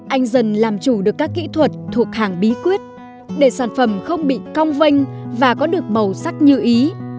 anh dần làm chủ được các kỹ thuật thuộc hàng bí quyết để sản phẩm không bị cong vanh và có được màu sắc như ý